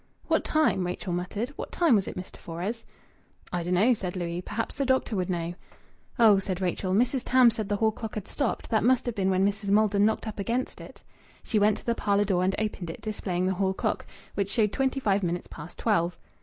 "What time?" Rachel muttered. "What time was it, Mr. Fores?" "I dun'no'," said Louis. "Perhaps the doctor would know." "Oh!" said Rachel, "Mrs. Tams said the hall clock had stopped; that must have been when Mrs. Maldon knocked up against it." She went to the parlour door and opened it, displaying the hall clock, which showed twenty five minutes past twelve.